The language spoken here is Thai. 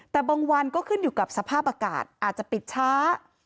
แต่บางวันก็ขึ้นอยู่กับสภาพอากาศอาจจะปิดช้า